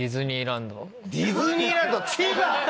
ディズニーランド？